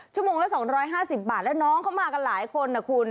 ชั่วโมงละ๒๕๐บาทแล้วน้องเขามากันหลายคนนะคุณ